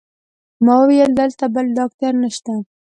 ما وویل: دلته بل ډاکټر نشته؟